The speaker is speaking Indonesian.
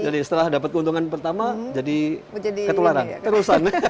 setelah dapat keuntungan pertama jadi ketularan terusan